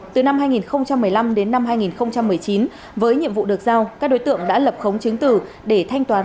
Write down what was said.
từ năm hai nghìn một mươi năm đến năm hai nghìn một mươi chín với nhiệm vụ được giao các đối tượng đã lập khống chứng tử để thanh toán